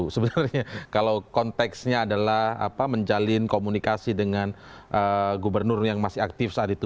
sebenarnya kalau konteksnya adalah menjalin komunikasi dengan gubernur yang masih aktif saat itu